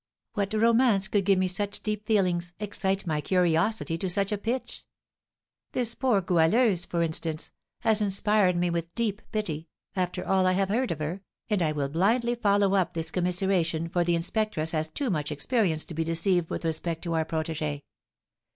What romance could give me such deep feelings, excite my curiosity to such a pitch? This poor Goualeuse, for instance, has inspired me with deep pity, after all I have heard of her; and I will blindly follow up this commiseration, for the inspectress has too much experience to be deceived with respect to our protégée.